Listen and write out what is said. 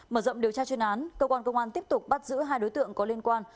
mở rộng điều tra chuyên án cơ quan công an tiếp tục bắt giữ hai đối tượng có liên quan